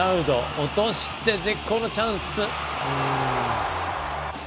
落として、絶好のチャンス。